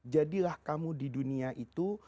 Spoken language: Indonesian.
jadilah kamu di dunia itu